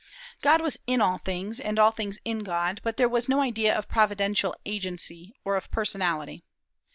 God was in all things, and all things in God; but there was no idea of providential agency or of personality.